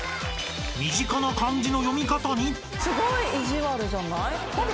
身近な漢字の読み方に。